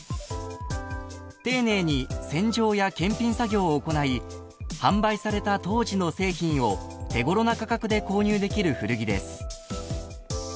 ［丁寧に洗浄や検品作業を行い販売された当時の製品を手頃な価格で購入できる古着です］